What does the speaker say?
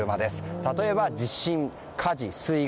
例えば地震、火事、水害